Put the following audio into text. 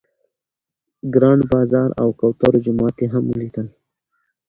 ګرانډ بازار او کوترو جومات یې هم ولیدل.